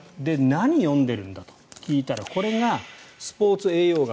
何を読んでるんだと聞いたらこれが「スポーツ栄養学」